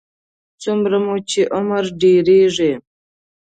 څومره مو چې عمر ډېرېږي.